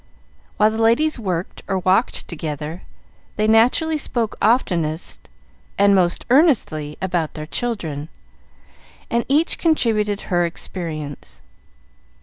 While the ladies worked or walked together, they naturally spoke oftenest and most earnestly about their children, and each contributed her experience.